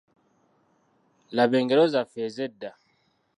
Laba engero zaffe ez'edda.